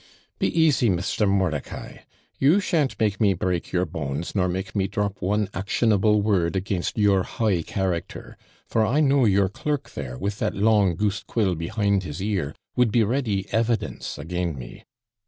'Be easy, Mister Mordicai! you shan't make me break your bones, nor make me drop one actionable word against your high character; for I know your clerk there, with that long goose quill behind his ear, would be ready evidence again' me.